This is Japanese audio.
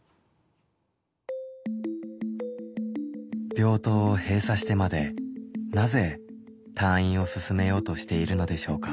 病棟を閉鎖してまでなぜ退院をすすめようとしているのでしょうか。